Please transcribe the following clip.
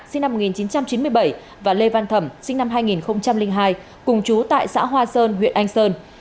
sinh năm một nghìn chín trăm chín mươi bảy và lê văn thẩm sinh năm hai nghìn hai cùng chú tại xã hoa sơn huyện anh sơn